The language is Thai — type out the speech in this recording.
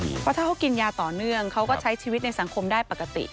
เพราะถ้าเขากินยาต่อเนื่องเขาก็ใช้ชีวิตในสังคมได้ปกติ